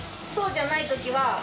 そうじゃないときは。